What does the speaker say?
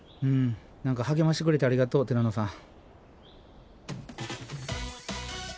何か励ましてくれてありがとうティラノさん。